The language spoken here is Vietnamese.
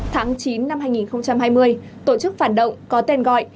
tháng chín năm hai nghìn hai mươi tổ chức phản động có tên gọi